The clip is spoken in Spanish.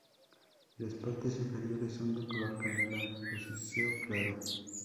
Y las partes inferiores son de color canela rosáceo claro.